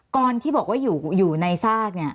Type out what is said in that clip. อ๋ออ๋ออ๋อกรณ์ที่บอกว่าอยู่ในซากเนี่ย